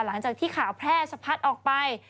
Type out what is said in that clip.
หลังจากที่ข่าวแพร่สะพัดออกไป